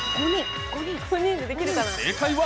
正解は